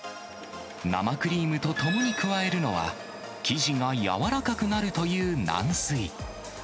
生クリームと共に加えるのは、生地が柔らかくなるという軟水。